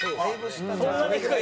そんなに低い？